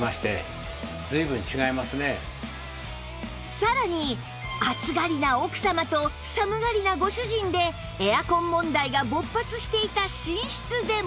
さらに暑がりな奥様と寒がりなご主人でエアコン問題が勃発していた寝室でも